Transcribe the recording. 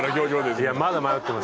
いやまだ迷ってます